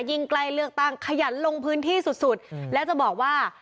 ใกล้เลือกตั้งขยันลงพื้นที่สุดแล้วจะบอกว่า